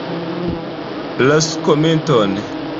Lasu komenton!